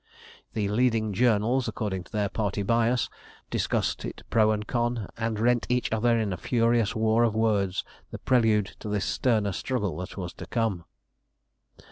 The "leading journals," according to their party bias, discussed it pro and con, and rent each other in a furious war of words, the prelude to the sterner struggle that was to come.